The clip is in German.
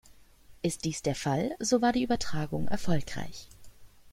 Ist dies der Fall, so war die Übertragung erfolgreich.